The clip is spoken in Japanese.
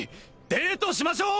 デートしましょう！